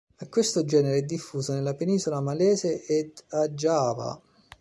Questo genere è diffuso nella Penisola Malese ed a Giava.